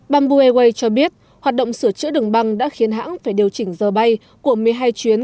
bamboo airways cho biết hoạt động sửa chữa đường băng đã khiến hãng phải điều chỉnh giờ bay của một mươi hai chuyến